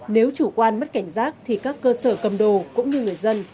nếu chủ quan mất cảnh giác thì các cơ sở cầm đồ cũng như người dân